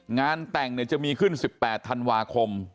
งานแต่งจะมีขึ้น๑๘ธันวาคม